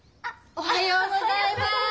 おはようございます！